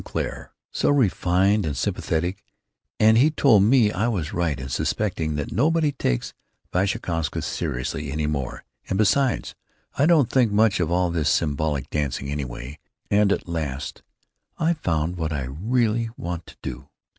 Claire, so refined and sympathetic, and he told me I was right in suspecting that nobody takes Vashkowska seriously any more, and, besides, I don't think much of all this symbolistic dancing, anyway, and at last I've found out what I really want to do.